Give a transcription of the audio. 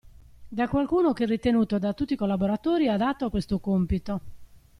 Da qualcuno che è ritenuto da tutti i collaboratori adatto a questo compito.